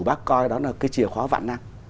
bác coi đó là cái chìa khóa vạn năng